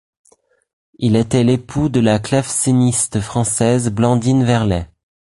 Il était l'époux de la claveciniste française Blandine Verlet.